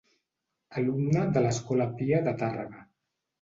Alumne de l'Escola Pia de Tàrrega.